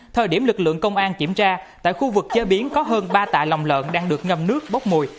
thời điểm lực lượng công an kiểm tra tại khu vực chế biến có hơn ba tạ lòng lợn đang được ngâm nước bốc mùi